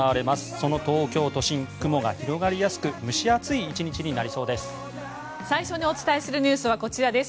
その東京都心、雲が広がりやすく蒸し暑い１日になりそうです。